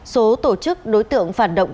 số tổ chức đối tượng phản động